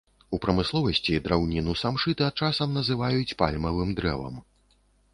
У прамысловасці драўніну самшыта часам называюць пальмавым дрэвам.